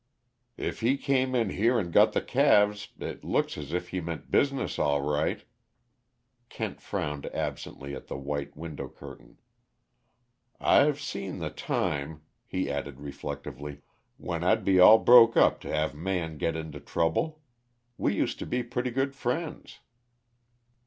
"If he came in here and got the calves, it looks as if he meant business, all right." Kent frowned absently at the white window curtain. "I've seen the time," he added reflectively, "when I'd be all broke up to have Man get into trouble. We used to be pretty good friends!"